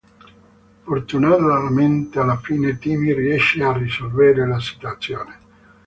Fortunatamente alla fine Timmy riesce a risolvere la situazione.